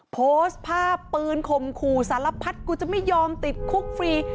โพสต์ภาพปืนข่มขู่สารพัดกูจะไม่ยอมติดคุกฟรี